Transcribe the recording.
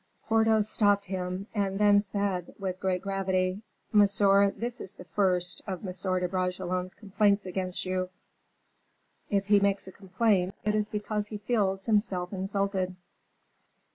Porthos stopped him, and then said, with great gravity, "Monsieur, this is the first of M. de Bragelonne's complaints against you. If he makes a complaint, it is because he feels himself insulted."